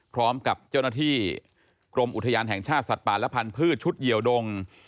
พร้อมกับเจ้าหน้าที่กรมอุทยานแห่งชาติสัตว์ป่าและพันธุ์ชุดเหี่ยวดง